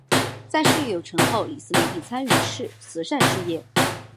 在事业有成后李思廉亦参与慈善事业。